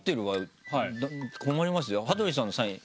羽鳥さんのサイン。